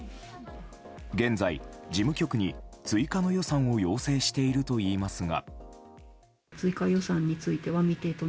現在、事務局に追加の予算を要請しているといいますが。